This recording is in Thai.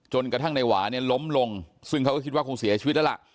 กระทั่งในหวาเนี่ยล้มลงซึ่งเขาก็คิดว่าคงเสียชีวิตแล้วล่ะ